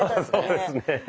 そうですね。